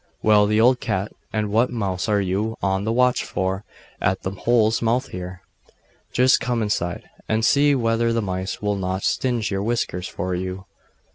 'Well, old cat, and what mouse are you on the watch for, at the hole's mouth here?' 'Just come inside, and see whether the mice will not singe your whiskers for you....